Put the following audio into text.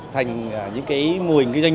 thành những cái mùi hình kinh doanh